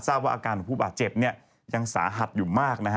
ทราบว่าอาการของผู้บาดเจ็บยังสาหัสอยู่มาก